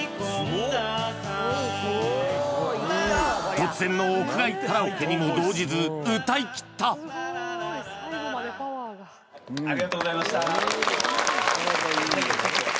突然の屋外カラオケにも動じず歌いきったありがとうございました